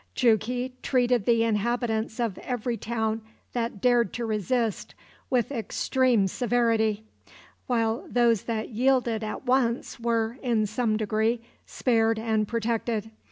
Jughi treated the inhabitants of every town that dared to resist with extreme severity, while those that yielded at once were, in some degree, spared and protected.